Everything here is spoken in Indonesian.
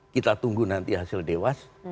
kita tunggu nanti hasil dewas